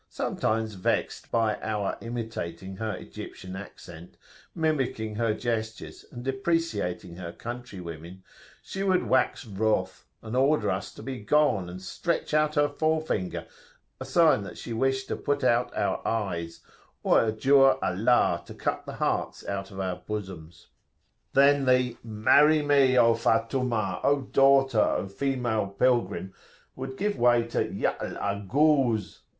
Sometimes vexed by our imitating her Egyptian accent, mimicking her gestures, and depreciating her country women,[FN#21] she would wax wroth, and order us to be gone, and stretch out her forefinger a sign that she wished to put out our eyes, or adjure Allah to cut the hearts out of our bosoms. Then [p.176]the "Marry me, O Fattumah, O daughter, O female pilgrim!" would give way to Y'al Ago o oz!